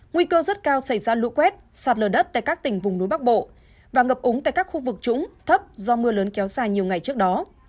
nguy cơ rất cao xảy ra lũ quét sạt lở đất tại các tỉnh vùng núi bắc bộ và ngập úng tại các khu vực trũng thấp do mưa lớn kéo dài nhiều ngày trước đó